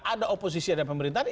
ada oposisi ada pemerintahan